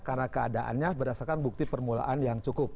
karena keadaannya berdasarkan bukti permulaan yang cukup